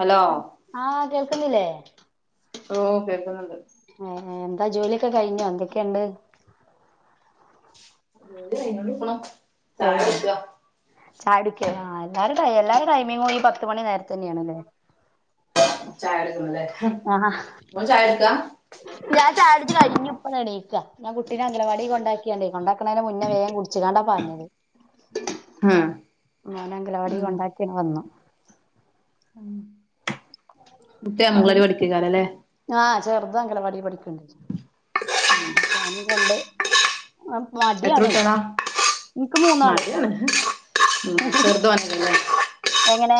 Hello ആ കേൾക്കുന്നില്ലേ. ഓ കേക്ക്ന്ന്ണ്ട്. ഏ ഏ എന്താ ജോലിയൊക്ക കഴിഞ്ഞോ എന്തക്കെണ്ട്. ജോലി കഴിഞ്ഞോണ്ട്ക്ക്ണു ചായ കുട്ച്ച ചാഴ കുട്ക്ക്യ ആ എല്ലാര ടൈ എല്ലാര ടൈമിങ്ങു ഈ പത്ത് മണി നേര്ത്തന്നെണ് ലെ ചായ [unintelligible] ആ ഹാ ഇങ്ങള് ചായ കുട്ക്കാ. ഞാൻ ചാഴ കുട്ച്ച് കയിഞ്ഞു ഇപ്പ എണീക്കാ ഞാ കുട്ടിനെ അംഗലവാടി കൊണ്ടാക്കിയാണ്ടേ കൊണ്ടാക്ക്ണെന് മുന്നേ വേം കുട് ച്ച്കാണ്ട പാഞ്ഞത്. ഉം ഞാന് അങ്കലവാടി കോണ്ടാക്കി വന്നു. കുട്ടി അംഗലവാടി പഠിക്കെക്കാര ലെ ആ ചെർത് അങ്കലവാടി പഠിക്ക്ണ്ട് അപ്പ ഓനിം കൊണ്ട്. മഡ്യാണെ മഡ്യാണ് ഉം ചെർത് [unintelligible] എങ്ങനെ.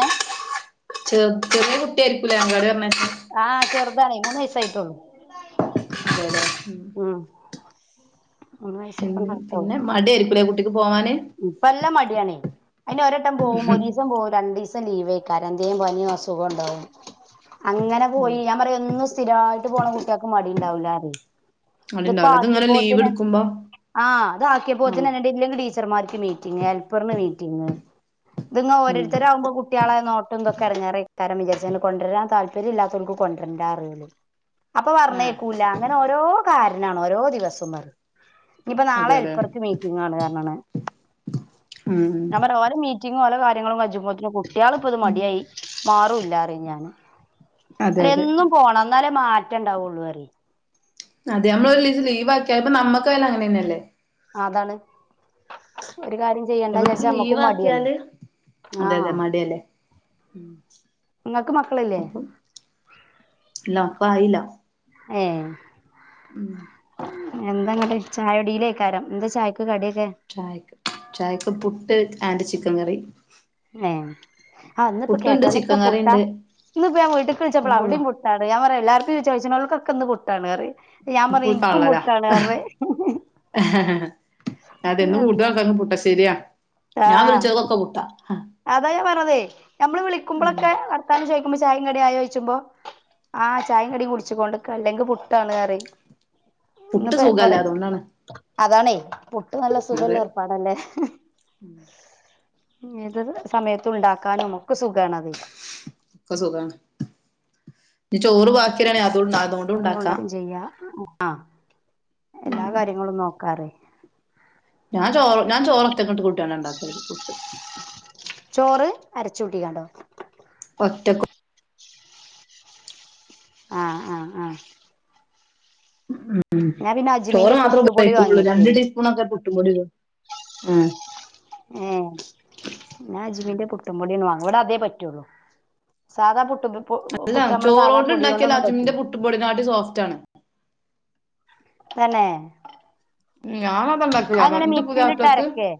ചെർതിലെ കുട്ട്യാര്ക്കുലെ [unintelligible] ആ ചെർതാണേ മൂന്ന് വയസായിട്ടോള്ളൂ ഉം. മൂന്ന് വയസ്സ് ഉം പിന്നെ മടിയാര്ക്കുലേ കുട്ടിക്ക് പോവാന് ഇപ്പല്ല മഡ്യാണേ അയിന് ഒരട്ടം പോവും ഒരീസ് സം പോവും രണ്ടീസം ലീവയ്‌ക്കാരം എന്തേ പനിയോ അസുഗോ ഇണ്ടാവും. അങ്ങനെ ഉം പോയി ഞാൻ പറയാ എന്നും സ്ഥിരായിട്ട് പോണ കുട്ടിയെക്ക് മടി ഇണ്ടാവൂലറിയെ ഇത് ഇപ്പ മടിണ്ടാവൂല ഇതിങ്ങനെ ലീവ് ആക്കിയപ്പോത്തിനെ എടുക്കുമ്പോ ആ അത് ആഹ് ആക്കിയപ്പോത്തിനന്നെ ഇല്ലങ്കി ടീച്ചർമാർക്ക് മീറ്റിങ് ഹെൽപ്പർന് മീറ്റിങ് ഇത് ഇങ്ങ ഉം ഓരോര്ത്തരാവുമ്പ കു കുട്ടിഴളെ നോട്ടം ഇതൊക്കെ എടങ്ങെറേയ്‌ക്കാരം വിചാര്ചാണ്ട് കൊണ്ട്രാൻ താൽപര്യല്ലാത്തൊൽക്ക് കൊണ്ട്രാന്റാറി ഓല് അപ്പ ആഹ് പർഞയ്‌ക്കൂല്ല അങ്ങനെ ഓരോ കാര്നാണ് ഓരോ ദിവസും ഇഞ്ഞിപ്പ നാളെ അതെല്ലേ ഹെൽപ്പർക്ക് മീറ്റിങാണ് പർഞ്ണ് ഉം ഞാ പറയാ ഓലെ മീറ്റിങ്ങും ഓല കാര്യങ്ങളും കജ്ജ്മ്പോത്തിന് കുട്ടിഴള് ഇപ്പ ഇത് മടിയായി മാറുല്ലാ. ഞ അതെ അല്ല അതെ എന്നും പോണം എന്നാലേ മാറ്റംണ്ടാവള്ളൂറി അതെ നമ്മള് ഒരു ലീസ് ലീവ് ആക്കിയാ അപ്പ നമ്മക്കായല്ലാം അങ്ങനന്നെയല്ലേ. അതാണ് ഒരു കാര്യം ചെയ്യണ്ട ഇവർക്ക് ചാരിച്ച ലീവ് നമ്മക്കും മടിയല്ലേ ആക്കിയാല് അതെ ആഹ് അതെ മടിയല്ലേ ഉം നിങ്ങക്ക് മക്കളില്ലേ അപ്പം ഇല്ല എനിക്ക് ആയില്ല ഏയ് ഉം എന്താങ്ങ്ട്ട് ചായയുടിയിലേക്കാരം എന്താ ചായയ്ക്ക് കടിയൊക്കെ. ചായക്ക് ചായക്ക് പുട്ട് ആൻഡ് ചിക്കൻ കറി ഏഹ് ആ അന്നിപ്പോ പുട്ടുണ്ട് കേട്ടോലൊക്കെ ചിക്കൻ കറിണ്ട് പുട്ടാഇന്നിപ്പ ഞാൻ വീട്ട്ക്ക്‌ വിളിച്ചപ്പ ഫുള്ളാ അവിടിം പു അട ഞാൻ പറയാ എല്ലാരും ചോയിച്ണോല്കക്കെ ഇന്ന് പുട്ടാണ് ആറിം ഞാ പറഞ് ഫുൾ ഇനകും പുട്ടാണ്റഞ് അതന്ന് കൂടുത ആക്കും പുട്ട ശെരിയാ ഞാൻ ആഹ് വിളിച്ചക്കൊക്കെ പുട്ട അതാ ഞാ പറഞ്ഞതേ നമ്മള് ഉം വിളിക്കുമ്പോളൊക്കെ വർത്താനം ചോയിക്കുമ്പോ ചായ കട ആയോ ചോയിച്ചുമ്പോ ആഹ് ചായ കടി കുടിച്ചു കൊണ്ട്ക്ക അല്ലെങ്കിൽ പുട്ടാണ്റിം പുട്ട് ഇന്നപ്പ കൊറ സുഖല്ല അതുകൊണ്ടാണ് അതാണേ പൊട്ട് നല്ല അതെ സുഖല്ല ഏർപ്പാടല്ലേ അ സമയത്ത് ഉണ്ടാക്കാനും ഒക്കെ സുഖാണ് അത് ക്ക സുഖാണ് ചോറ് ബാക്കി വരാണ് ആ ണ്ടും ചെയ്യ ആ ഹ് എല്ലാ ഉം കാര്യങ്ങളും നോക്കാറ ഞാൻ ചോ ഞാ ചോററ്റക്കട്ട് കുട്ടിയാണ് ഉണ്ടാക്കല് പുട്ട് ചോറ് അരച്ച കൂട്ടിക്കാണ്ടോ ഒറ്റക്ക ആഹ് ആഹ് ആഹ് ഉം ഞാൻ പിന്നെ ചോറ് അജ്മീന്റെ മാത്രമേ പുട്ടുപൊടി കഴക്കുള്ളൂ രണ്ട വാങ്ങിയേക്കേനു പണക്കെ പുട്ടു പൊടി ഇടും എഹ് ഏഹ് ഞ അജിമിന്റെ പുട്ടും പൊടിയന്ന് വാങ്ങും ഇവിടെ അതേ പറ്റുള്ളൂ സാധാ പുട്ടും അതല്ലാ ചോറ കൊണ്ട് ഉണ്ടാക്കിയാൽ അജ്മിന്റെ പുട്ട് പൊടിനാട്ടി സോഫ്റ്റ് ആണ് തന്നെ ഉം ഞാനാതാണ്ടാക്കല അത അങ്ങനെ എന്ത് മിക്സിയിലിട്ട് പുതിയപ്പളക്ക് അരക്കേ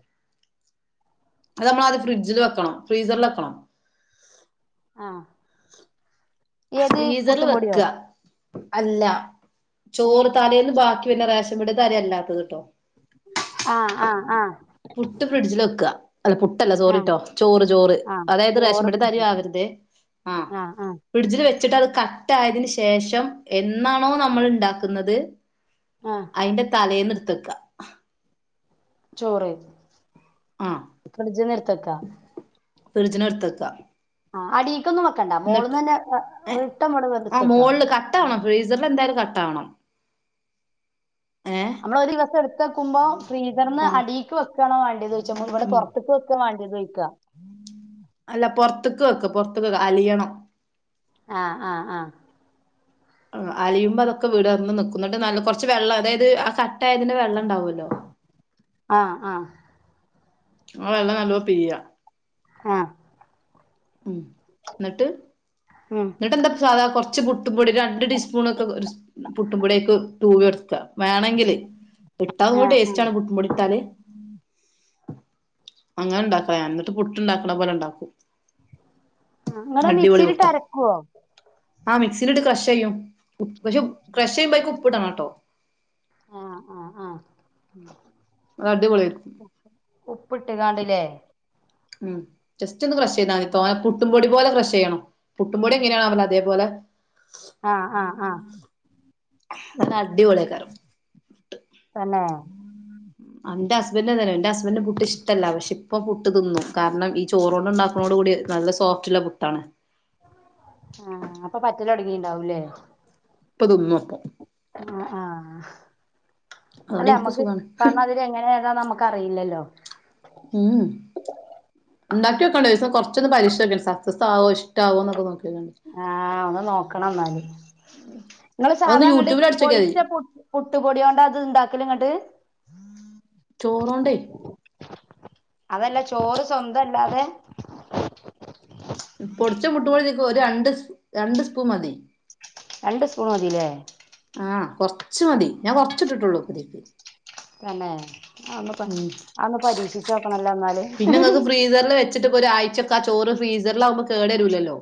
അത് നമ്മളത് ഫ്രിഡ്ജിൽ വെക്കണം ഫ്രീസറിൽ വെക്കണം ആഹ് ഏത് ഫ്രീസറി പുട്ടുംപൊടിയോ വെക്ക അല്ല ഏഹ് ചോറ് താലേന്ന് ബാക്കി വന്നെ റേഷം പീടിയത്തെ അല്ലാത്തത് ട്ടോ ആഹ് ആഹ് ആഹ് പുട്ട് ഫ്രിഡ്ജിൽ വെക്ക അല്ല പു ല്ല ആഹ് സോറിട്ടോ ചോറ് ചോറ് ആഹ് അതായത് ചോറ് റേഷപീടിത്തരി പിടിക്കും ആവരുതേ ആഹ് ഫ്രിഡ്ജിൽ വെച്ചിട്ട് അത് കട്ട ആയതിനന് ശേഷം എന്നാണോ നമ്മൾ ഇണ്ടാക്കുന്നത് ആഹ് അയിന്റെ തലെന്ന് ഇട്ത്തക്ക ചോറ് ആഹ് ഫ്രിഡ്ജ്ന്ന് ഇട്ത്തക്കാ ഫ്രിജിനടുത്തക്ക ആഹ് അടീക്കൊന്നും വെക്കണ്ട മോളന്ന് തന്നെ റിട്ടം ഇവടെ വെത്തക്ക ട്ടാവണം ഫ്രീസറിലെന്തായാലും കട്ടാവണം ഏഹ് നമ്മളൊരു ദിവസം ഇട്ത്തെക്കുമ്പോ ഫ്രീസറിന്ന് ആഹ് അടീക്ക് വെക് ക്കാണോ വാണ്ടിയെത് ചോയ്ച്ചാ ഇവടെ ഉം പൊർത്ത്ക്ക് വെക്കാ വാണ്ടിയേതോയ്ക്ക അല്ല പൊർത്ത്ക്ക് വെക്ക പൊർത്ത് വെക്ക അലിയണം ആഹ് ആഹ് ആഹ് അലിയുമ്പോ അതൊക്കെ വിടർന്ന് നിക്കും ന്ന്ട്ട് നല്ല കൊർച്ച് വെള്ളം അതായത് ആ ക ട്ടായതിന്റെ വെള്ളം ണ്ടാവല്ലോ ആഹ് ആഹ് ആ വെള്ളം നല്ലോ പിയ്യ ആഹ് ഉം ന്ന്ട്ട് ഉം ന്ന്ട്ടെന്താ പ്പ് സാധാ കൊർ ച്ച് പുട്ടുംപൊടി രണ്ട് ടീസ്പൂണൊക്കെ ഒരുസ് പുട്ടുംപൊടിയയ്ക്ക് തൂവിയൊട്ക്ക വേണെങ്കില് ഇട്ടാ ഒന്നും കൂടി ആഹ് ആഹ് ടേസ്റ്റാണ് പുട്ടും പൊടി ട്ടാല് അങ്ങനെണ്ടാക്കലാ ഞാന് ന്ന്ട്ട് പുട്ട്ണ്ടാക്കണ പോലെ ണ്ടാക്കും ന്ന്ട്ടത് മിക്സിലിട്ട് പുട്ടാ അരക്കോ ആ മിക്സിലിട്ട് ക്രെശെയ്യും പക്ഷെ ക്രശ്ശെയ്യുമ്പോ അയ്ക്ക് ഉപ്പ്ടണം ട്ടോ ആഹ് ആഹ് ആഹ് അത് അടിപൊളി ഉപ്പ്ട്ട് കാണ്ട്ല്ലേ ഉം ജസ്റ്റൊന്ന് ക്രശ്ശെയ്താ മതി തോനെ പുട്ടും പൊടി പോലെ ക്രശ്ശെയ്യണം പുട്ടും പൊടി എങ്ങനാണോ ആവല് അതേപോലെ ആഹ് ആഹ് ആഹ് എന്ന അടിപൊളിയേക്കാരം തെന്നെ ആഹ് ന്റെ ഹസ്ബന്റ് എന്താറിയോ ഇന്റെ ഹസ്ബന്റ് ന് പുട്ട് ഇഷ്ടല്ല പക്ഷെ ഇപ്പൊ പുട്ട് തിന്നും കാരണം ഈ ചോറോണ്ട്ണ്ടാക്ക്ണോടു കൂടി നല്ല സോഫ്റ്റ്ള്ള പുട്ടാണ് ആഹ് അപ്പൊ പറ്റലൊടങ്ങിണ്ടാവും ല്ലേ പ്പ തിന്നും ആഹ് ആഹ് അല്ല അതോടെ എനിക്ക് മ്മക്ക് സുഖാണ് പർഞാതിരി ത് എങ്ങനെ ഏതാ നമ്മക്കറില്ലല്ലോ ഉം ണ്ടാക്കിക്കോണ്ടി ഒരുസം കൊർച്ചൊന്ന് പരീക്ഷിച്ചോക്കോണ്ടി സക്സാവോ ഇഷ്ടാവോ ന്നൊക്കെ നോക്കികോണ്ടി ആഹ് ഒന്ന് നോക്കണം ന്നാല് ങ്ങള് അതൊന്ന് സാധാ ങ്ങട്ട് യൂട്യൂബിൽ അടിച്ചോക്കിയാ മതി പൊടിച്ച പുട് പുട്ട്പൊടിയോണ്ടാ അത് ണ്ടാക്കല് ന്ന്ട്ട് ചോറോണ്ടേ അതല്ല ചോറ് സ്വന്തല്ലാതെ പൊടിച്ച പുട്ട് പൊടി ഇതീക്ക് ഒരു രണ്ട് സ് രണ്ട് സ്പൂ മതി രണ്ട് സ്പൂൺ മതിലേ ആഹ് കൊർച്ച് മതി ഞാൻ കൊർച്ച് ട്ട്ട്ടൊള്ളു ഇതീക്ക് തെന്നെ അത് ഒന്ന് പ ഉം അതൊന്ന് പരീക്ഷിച്ചോക്കണല്ലോ ന്നാല് പിന്നെ ങ്ങക്ക് ഫ്രീസറിൽ വെച്ചിട്ട്പ്പൊ ഒരാഴ്ചക്ക് ആ ചോറ് ഫ്രീസറിലാകുമ്പോ കേടെരുലല്ലോ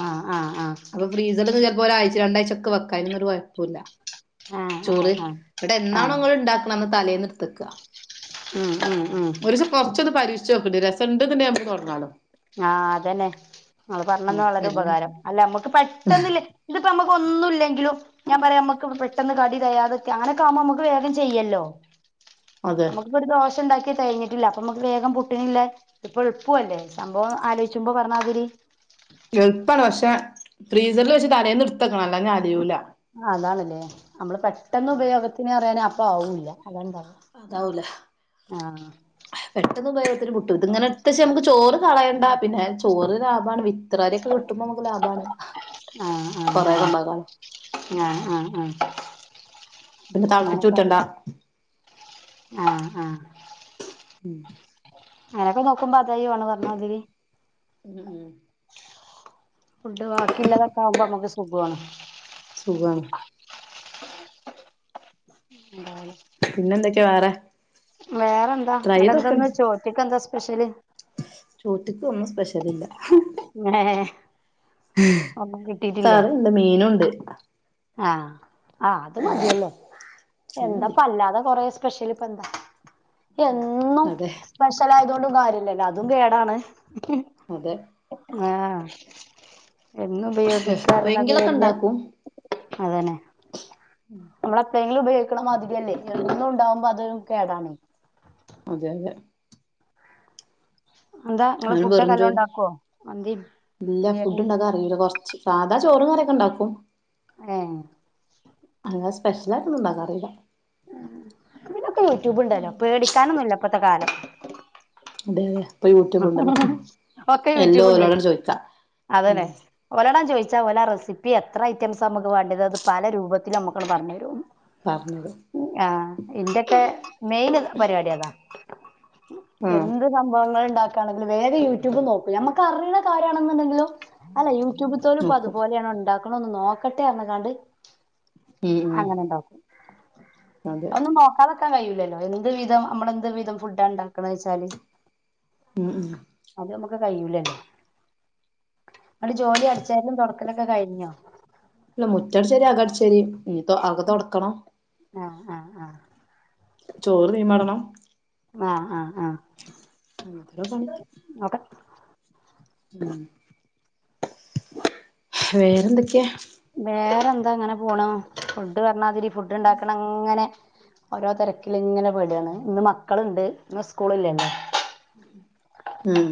ആഹ് ആഹ് ആഹ് അപ്പ ഫ്രീസറില്ന്ന് ചെലപ്പോ ഒരാഴ്ച രണ്ടാഴ്ച്ചൊക്കെ വെക്കാ അയ്നൊന്നും ഒരു കൊഴപ്പുല്ല ആഹ് ആഹ് ചോറ് ആഹ് ന്ന്ട്ടെന്നാണോ ആഹ് ഇങ്ങള് ഇണ്ടാക്ക്ണത് അന്ന് തലേന്ന്ട്ത്തെക്ക ഉം ഉം ഉം കൊർച്ചൊന്ന് പരീക്ഷിച്ചോക്കേണ്ടി രസണ്ട്ന്ന്ണ്ടെങ്കി ഞമ്മക്ക് തൊടങ്ങാലോ ആഹ് അതെന്നെ ങ്ങള് പർഞ്ഞെന്നത് വളരെ എല്ലും ഉപകാരം അല്ല മ്മക്ക് പെട്ടന്നില്ലേ ഇതിപ്പോ നമ്മക്കൊന്നുല്ലെങ്കിലും ഞാൻ പറയാം നമ്മക്ക് പെട്ടെന്ന് കടി തികയാതെക്കെ അങ്ങനെ ആകുമ്പോ നമുക്ക് വേഗം ചെയ്യാലോ അതെ ഇപ്പ ഒരു ദോഷണ്ടാക്കി തകിഞ്ഞിട്ടില്ല അപ്പൊ നമുക്ക് വേഗം പുട്ട്ണില്ലേ ഇതിപ്പോ എളുപ്പു അല്ലേ സംഭവോ ആലോയ്ചുമ്പോ പറഞ്ഞാതിരി എൾപ്പാണ് പക്ഷെ ഫ്രീസറിൽ വെച്ച് തലേന്ന് ഇട്ത്തക്കണം അല്ലാഞ്ഞ അലിയൂല അതാണ്ലെ നമ്മള് പെട് ട്ടെന്ന് ഉപയോഗത്തിന് അറിയാന അപ്പ ആവൂല്ല അതാണ്ടാവ അതാവൂല ആഹ് പെട്ടെന്ന് ഉപയോഗ ഒത്തിരി പുട്ടു ഇത് ഇങ്ങനെ എടുത്തേച്ച നമുക്ക് ചോറ് കളയണ്ട പിന്നെ ചോറ് ലാഭാണ് വി വിത്രരിയൊക്കെ കിട്ടുമ്പോ നമുക്ക് ലാഭാണ് ആഹ് ആഹ് കൊറെയൊക്കെണ്ടാക്കാലോ ആഹ് ആഹ് [inaudible] അങ്ങനെക്കെ തളപ്പിച്ചൂറ്റണ്ട ആഹ് ആഹ് ഉം അങ്ങനൊക്കെ നോക്ക്പോ അതായി ഈയ് പറഞ്ഞമാതിരി ഉം ഉം ഫുഡ് ബാക്കില്ലത് ഒക്കെ ആകുമ്പോ നമുക്ക് സുഖു ആണ് സുഖാണ് [unintelligible] പിന്നെന്തൊക്കെയാ വേറെ വേറെ എന്താ ട്രൈ അടെ എന്താന്ന് ചെയ്തോക്കണ്ടി ചോറ്റ്ക്ക് എന്താ സ്പെഷ്യല് ചോറ്റ്ക്ക് ഒന്നും സ്പെഷ്യലില്ല [unintelligible] ഒന്നും കിട്ടീട്ടില്ലേ കറിയുണ്ട് മീനുംണ്ട് ആഹ് ആഹ് അത് മതിയല്ലോ അത് മതി എന്തപ്പ അല്ലാതെ കൊറെ സ്പെഷ്യല് ഇപ്പ എന്താ എന്നും അതെ സ്പെഷ്യലായതൊണ്ടും കാര്യല്ലല്ലോ അതും കേടാണ് അതെ ആഹ് എന്നും ഉപയോഗിക്കാറിണത് എപ്പഴെങ്കിലൊക്കെ വല്ല്യ ഇണ്ടാക്കും അതന്നെ ഉം നമ്മള എപ്പളേങ്കിലും ഉപയോഗിക്കുന്ന മാതിരിയല്ലേ എന്നും ഉണ്ടാകുമ്പോ അതരു കേടാണ് അതെ അതെ എന്താ ഇങ്ങള് ആനും ഫുഡൊക്കെ വെറും നല്ലോം ചോറും ഇണ്ടാക്കോ മന്തിം ഇല്ല ഫുഡ്ണ്ടാക്കാൻ ബിരിയാണിയൊക്കെ അറിയൂല കൊറച്ച് സതാ ചോറും കറിയൊക്കെണ്ടാക്കും ഏഹ് അങ്ങെ സ്പെഷ്യലായിട്ടൊന്നും ഉണ്ടാക്കാറീല ഇതിനൊക്കെ യൂട്യൂബ് ഉണ്ടല്ലോ പേടിക്കാനൊന്നുല്ല പ്പത്തെ കാലം അതെ പ്പൊ യൂട്യൂബ്ണ്ടല്ലോ ഒക്കെ എല്ലോ യൂട്യൂബുണ്ട് ഓലോടട് ചോയ്ക്കാ ഉം അതന്നെ ഓലോടാൻ ചോയ്ച്ചാ ഓലാ റെസിപ്പി എത്ര ഐറ്റംസ് നമുക്ക് വേണ്ട്യത് അത് പല രൂപത്തിലും നമ്മുക്കട് പറഞ്ഞരും പർഞ്ഞരും ആഹ് ഇന്റെയൊക്കെ മെയിന് പരിപാടി അതാ ആഹ് എന്ത് സംഭവങ്ങൾ [unintelligible] വേഗ യൂട്യൂബ് നോക്കും നമുക്ക് അറിണ കാര്യാണ്ന്നുണ്ടെങ്കിലും അല്ല യൂ റ്റൂബ്തേലുംപ്പൊ നോക്കും അതുപോലെയാണോ ഉണ്ടാക്ണോന്ന് നോക്കട്ടെ അർഞ്ക്കാണ്ട് ഉം ഉം അങ്ങനെണ്ടോകും അതെ ഒന്നും നോക്കാതെ ക്കാൻ കയ്യുലേല്ലോ എന്ത് വിധം നമ്മളെന്ത് വിധം ഫുഡാണ് ണ്ടാക്ണേച്ചാല് ഉം ഉം അത് നമുക്ക് കഴൂലല്ലേ അടെ ജോലി അടിച്ചാരലും തുടക്കലൊക്കെ കഴിഞ്ഞോ ഇല്ല മുറ്റാടിച്ചേരി അകടിച്ചേരി ഇനി ആക തുടക്കണോ ആഹ ആഹ് ആഹ് ചോറ് തീമാടണം ആഹ ആഹ് ആഹ [unintelligible] ഒക്കെ വേറെന്തൊക്കെയാ വേറെ എന്താ അങ്ങനെ പോണ ഫുഡ് പറണാതിരി ഫുഡ് ഉണ്ടാക്കണം അങ്ങനെ ഓരോ തരക്കില ഇങ്ങനെ പെടാണ് ഇന്ന് മക്കളുണ്ട് ഇന്ന് സ്കൂള ഇല്ലല്ലോ ഉം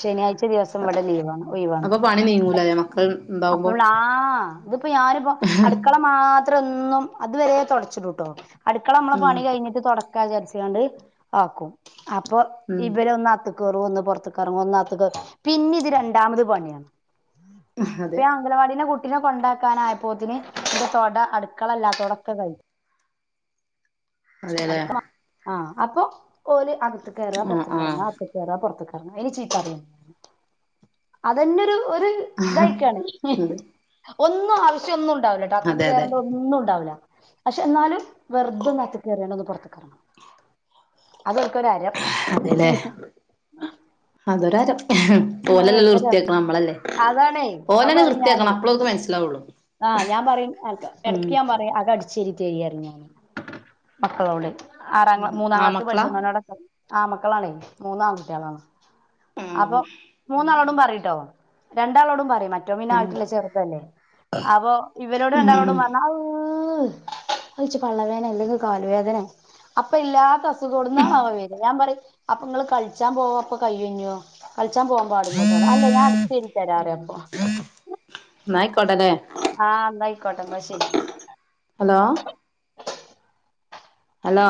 ശനാഴ്ച ദിവസം ഇവിടെ ലീവാണ് ഒയിവാണ് അപ്പൊ പണി നീങ്ങൂല ലെ മക്കൾ ഉണ്ടാവുമ്പോ അപ്പോഴ ആഹ് ഇതിപ്പോ ഞാനിപ്പോ അടുക്കള മാത്ര അത്രൊന്നും അതുവരെ തുടച്ചിട്ടുട്ടോ അടുക്കള നമ്മള് ഉം പണി കഴിഞ്ഞിട്ട് ക്കാണ്ട് ആക്കും അപ്പൊ ഉം ഇവരെ ഒന്ന് കേറും ഒന്ന് പുറത്തക്കെറങ്ങും ഒന്നകത്തക്ക് കേറും പിന്നെ ഇത് രണ്ടാമത് പണിയാണ് അതെ ഇപ്പേ അംഗലവാടീ കുട്ടീനെ കൊണ്ടാക്കാന ആയപ്പോത്തിന് ഇന്റെ തൊട അടുക്കളല്ലാത്തൊടൊക്കെ കഴ അതെല്ലേ ആഹ് അപ്പൊ ഓല അകത്ത് കേറ പുറത്ത ആഹ് കറങ്ങ കേറാ പുറത്തിക്കിറങ്ങാ അയിന് ചീത്തറിം അതന്നെരു ഒരു ആഹ് ഇതായിക്കാണ് അതെ ഒന്നും ആവശ്യം ഒന്നും അതെ അകത്തിക്ക് അതെ കേറുമ്പോ ഒന്നും ഉണ്ടാവൂല പക്ഷെ എന്നാലും വെറുതും കയറിയണ ഒന്ന് പുറത്തകറങ്ങണം അതൊൽക്കരു ഹരം അതെല്ലേ അതൊരാരം പോ അത് ഓല്ലല്ല ഭയങ്കര വൃത്തിയാക്കണം നമ്മളല്ലേ അതാണേ ഓനെല്ലെ വൃത്തിയാക്കണം അപ്പോഴ അവക്ക് മനസ്സിലാവുള്ളൂ ആഹ് ഞാൻ പറയും ഇടക്ക് ഞാൻ പറയാ അകഅടിച്ചേരി തരി പരിം ഞൻ മക്കളോട് ആറാം ക്ല മൂന്നാം ആ ക്ലാസ്സ് മക്കളാ പഠിച്ചോട ആമക്കളാണേ മൂന്നാൺകുട്ടികളാണ് ഉം അപ്പൊ മൂന്നാളോടും ഉം പറട്ടോ രണ്ടാളോടും പറ മറ്റോ മീന ഉം ആയിട്ടില്ലേ ചെറുതല്ലേ അപ്പൊ ഇവരോട് ഉം രണ്ടാളോടും പറഞ്ഞ ച്ച് പള്ളവേദന അല്ലെങ്കിൽ കാലുവേദന അപ്പൊ ഇല്ലാത്ത അസുഖ കൊടുന്നാണ് അവ വില ഞാൻ പറ അപ്പൊ നിങ്ങൾ കളിച്ചാൻ പോവ അപ്പൊ കൈയ്യോ കളിച്ചാ പോകാൻ പാടില്ലോട്ടേ അല്ല ഞാൻ അടിച്ചേരി തരാറ അപ്പൊ ന്നാ ആയിക്കോട്ടല്ലേ ആഹ് ന്നാ ആയിക്കോട്ടെ എന്നാ ശരി ഹലോ ഹലോ